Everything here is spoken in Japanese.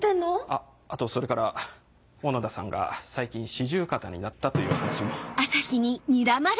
あっあとそれから小野田さんが最近四十肩になったという話も。